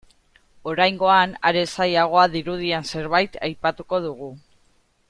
Oraingoan, are zailagoa dirudien zerbait aipatuko dugu.